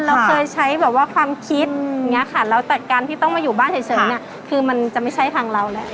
เราเคยใช้แบบว่าความคิดอย่างนี้ค่ะแล้วแต่การที่ต้องมาอยู่บ้านเฉยเนี่ยคือมันจะไม่ใช่ทางเราแหละ